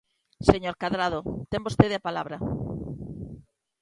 Señor Cadrado, ten vostede a palabra.